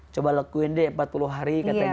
coba lakuin deh empat puluh hari katanya